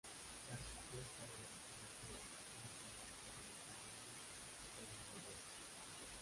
La respuesta de los conductores y las revistas del automóvil fueron favorables.